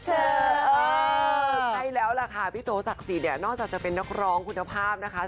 ใช่แล้วล่ะค่ะพี่โตศักดิ์สิทธิ์นอกจากจะเป็นนักร้องคุณภาพนะคะ